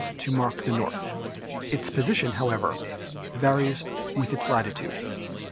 to mark the north. Its position, however, varies with its latitude.